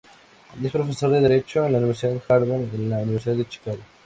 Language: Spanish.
Es profesor de Derecho en la Universidad Harvard y en la Universidad de Chicago.